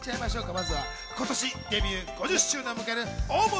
まずは今年デビュー５０周年を迎える大物